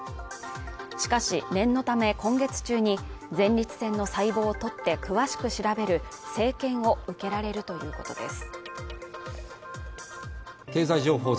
しかし念のため今月中に前立腺の細胞を採って詳しく調べる生検を受けられるということです